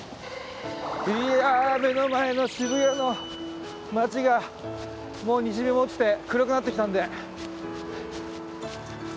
いや目の前の渋谷の街がもう西日も落ちて暗くなってきたんで。